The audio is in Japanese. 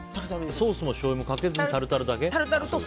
ソースもしょうゆもかけずにタルタルだけ？